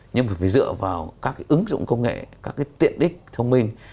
nhưng phải dựa vào các cái ứng dụng công nghệ các cái tiện đích thông minh